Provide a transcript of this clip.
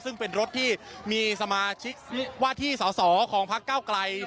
ซึ่งเป็นรถที่มีสมาชิกว่าที่สอสอของพักเก้าไกล